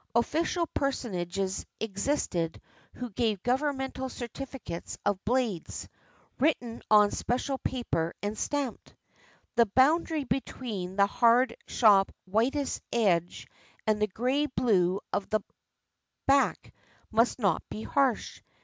Official personages existed who gave governmental certificates of blades, written on special paper and stamped. The boundary between the hard, sharp, whitish edge and the gray blue of the back must not be harsh.